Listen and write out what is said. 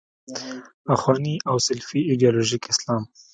اخواني او سلفي ایدیالوژیک اسلام.